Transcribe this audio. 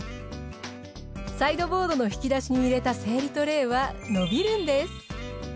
サイドボードの引き出しに入れた整理トレーは伸びるんです。